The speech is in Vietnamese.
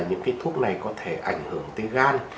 những cái thuốc này có thể ảnh hưởng tới gan